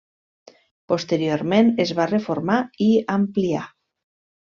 Posteriorment es va reformar i ampliar.